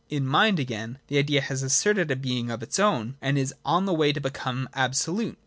In Mind, again, the Idea has asserted a being of its own, and is on the way to become absolute.